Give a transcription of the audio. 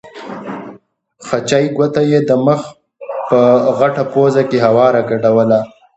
خچۍ ګوته یې د مخ په غټه پوزه کې هواره ګډوله.